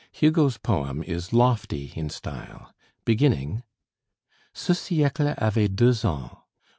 Hugo's poem is lofty in style, beginning "Ce siècle avait deux ans!